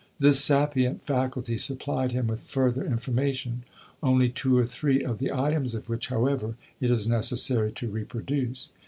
This sapient faculty supplied him with further information; only two or three of the items of which, however, it is necessary to reproduce.